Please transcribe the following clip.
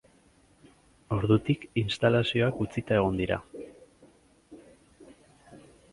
Ordutik instalazioak utzita egon dira.